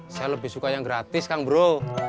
saya lebih suka yang gratis kan bro